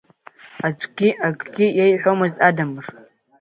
Аӡәгьы акгьы иеиҳәомызт Адамыр.